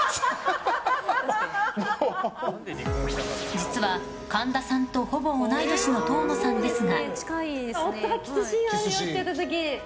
実は神田さんとほぼ同い年の遠野さんですが。